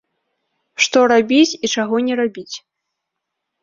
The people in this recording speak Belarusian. Што рабіць і чаго не рабіць.